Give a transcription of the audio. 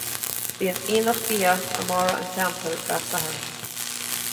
Bíonn aonach bia i mBarra an Teampaill gach Satharn.